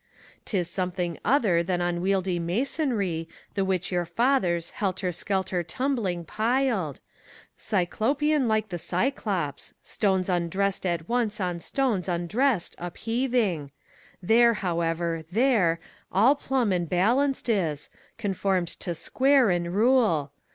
T is something other than unwieldy masonry, The which your fathers, helter skelter tumbling, piled, Cyclopean like the Cyclops, stones undressed at once On stones undressed upheaving : there, however, there All plumb and balanced is, conformed to square and rule.